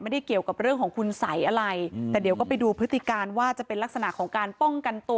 เกี่ยวกับเรื่องของคุณสัยอะไรแต่เดี๋ยวก็ไปดูพฤติการว่าจะเป็นลักษณะของการป้องกันตัว